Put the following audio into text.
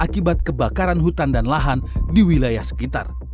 akibat kebakaran hutan dan lahan di wilayah sekitar